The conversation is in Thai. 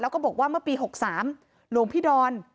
แล้วก็บอกว่าเมื่อปี๖๓หลวงพี่ดอน